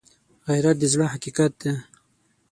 غیرت د زړه حقیقت دی